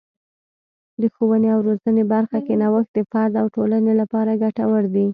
د ښوونې او روزنې برخه کې نوښت د فرد او ټولنې لپاره ګټور دی.